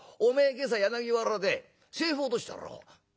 今朝柳原で財布落としたろう」。